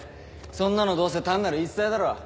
そんなのどうせ単なる言い伝えだろ。